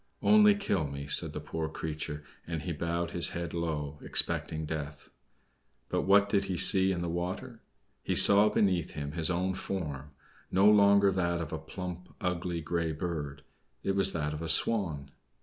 "Only kill me," said the poor creature, and he bowed his head low, expecting death. But what did he see in the water? He saw beneath him his own form, no longer that of a plump, ugly grey bird it was that of a Swan.